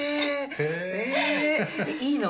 えいいの？